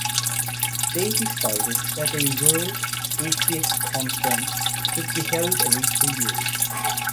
They decided that a World Atheist Conference should be held every three years.